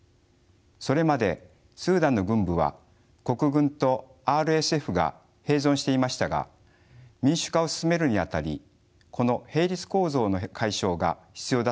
それまでスーダンの軍部は国軍とＲＳＦが併存していましたが民主化を進めるにあたりこの並立構造の解消が必要だったのです。